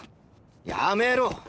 やめろ！